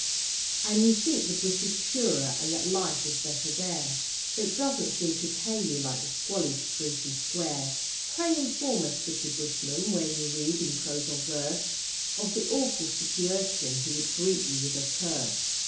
And you think the bush is purer and that life is better there, But it doesn't seem to pay you like the 'squalid street and square'. Pray inform us, City Bushman, where you read, in prose or verse, Of the awful 'city urchin who would greet you with a curse'.